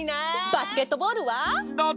バスケットボールは！？